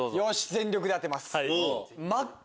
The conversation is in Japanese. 全力で当てます。